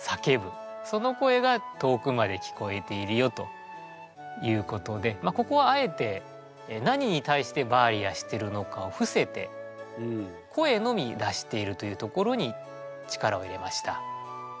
その声が遠くまで聞こえているよということでここはあえて何に対して「バーリア」してるのかを伏せて声のみ出しているというところに力を入れました。